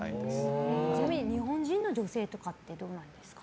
ちなみに日本人の女性とかどうですか？